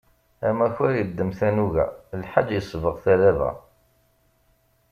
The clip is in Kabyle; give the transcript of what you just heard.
Amakar iddem tanuga, lḥaǧ isbeɣ talaba.